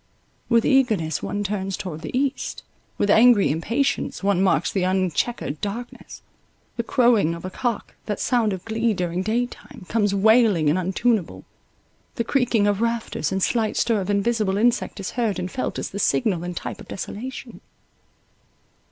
With eagerness one turns toward the east, with angry impatience one marks the unchequered darkness; the crowing of a cock, that sound of glee during day time, comes wailing and untuneable—the creaking of rafters, and slight stir of invisible insect is heard and felt as the signal and type of desolation.